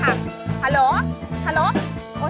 ฮัลโหลฮัลโหล